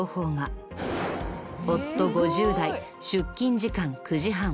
夫５０代出勤時間９時半。